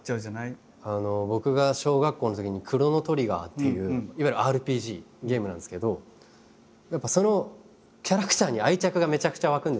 僕が小学校のときに「クロノ・トリガー」っていういわゆるＲＰＧゲームなんですけどやっぱそのキャラクターに愛着がめちゃくちゃ湧くんですよね。